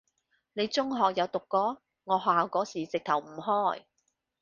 你中學有讀過？我學校嗰時直頭唔開